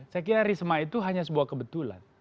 saya kira risma itu hanya sebuah kebetulan